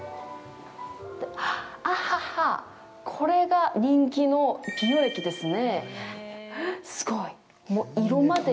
あぁ、これが人気の美容液ですね。